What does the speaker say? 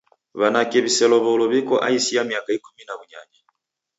W'anake w'iselow'olo w'iko aisi ya miaka ikumi na w'unyanya.